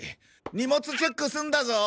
荷物チェック済んだぞ！